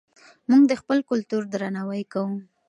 موږ د خپل کلتور درناوی کوو.